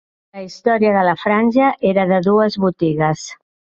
La història de la franja era de dues botigues.